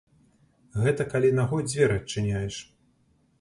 Гэта калі нагой дзверы адчыняеш.